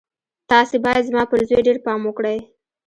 تاسې بايد زما پر زوی ډېر پام وکړئ.